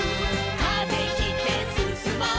「風切ってすすもう」